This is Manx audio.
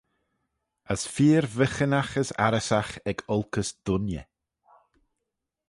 As feer vyghinagh as arryssagh ec olkys dooinney.